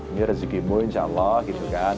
ini rezeki mu insya allah gitu kan